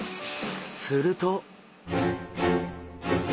すると。